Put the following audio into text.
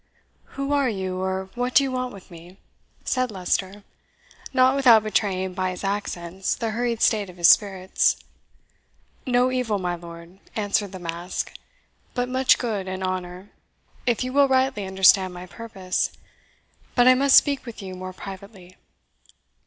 "Who are you, or what do you want with me?" said Leicester, not without betraying, by his accents, the hurried state of his spirits. "No evil, my lord," answered the mask, "but much good and honour, if you will rightly understand my purpose. But I must speak with you more privately."